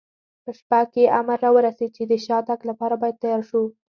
په شپه کې امر را ورسېد، چې د شاتګ لپاره باید تیار شو.